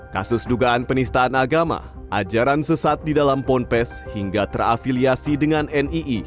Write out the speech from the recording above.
kasus dugaan penistaan agama ajaran sesat di dalam ponpes hingga terafiliasi dengan nii